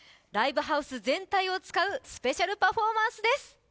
ライブハウス全体を使うスペシャルパフォーマンスです